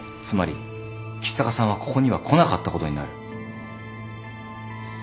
つまり橘高さんはここには来なかったことになる。